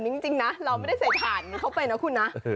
มันจริงนะเราไม่ได้เสร็จหาเขาไปนะคุณนะ